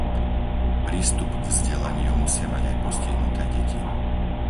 Prístup k vzdelaniu musia mať aj postihnuté deti.